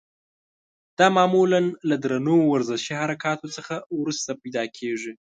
دا معمولا له درنو ورزشي حرکاتو څخه وروسته پیدا کېږي.